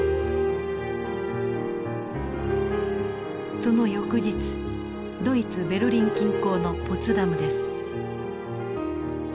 その翌日ドイツ・ベルリン近郊のポツダムです。